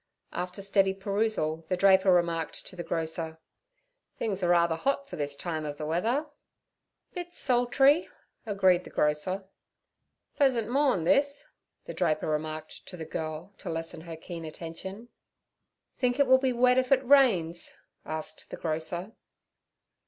After steady perusal the draper remarked to the grocer: 'Things are rather hot for this time of the weather.' 'Bit sultry' agreed the grocer. 'Pleasant morn' this' the draper remarked to the girl to lessen her keen attention. 'Think it will be wet if it rains?' asked the grocer.